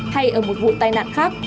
hay ở một vụ tai nạn khác